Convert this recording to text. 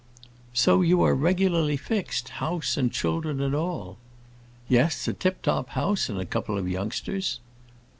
"So you are regularly fixed—house and children and all." "Yes, a tip top house and a couple of youngsters."